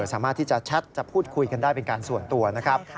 สามารถที่จะแชทจะพูดคุยกันได้เป็นการส่วนตัวนะครับ